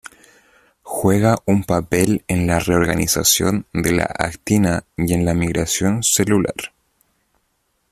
Juega un papel en la reorganización de la actina y en la migración celular.